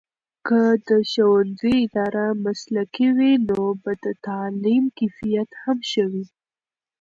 که د ښوونځي اداره مسلکي وي، نو به د تعلیم کیفیت هم ښه وي.